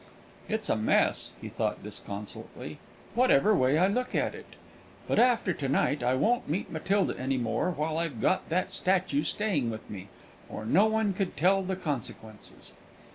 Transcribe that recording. "It's a mess," he thought disconsolately, "whatever way I look at it. But after to night I won't meet Matilda any more while I've got that statue staying with me, or no one could tell the consequences."